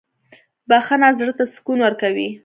• بخښنه زړه ته سکون ورکوي.